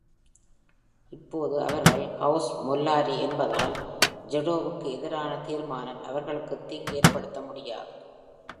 இப்போது அவர்கள் ஹவுஸ் மொல்லாரி என்பதால், ஜடோவுக்கு எதிரான தீர்மானம் அவர்களுக்குத் தீங்கு ஏற்படுத்த முடியாது.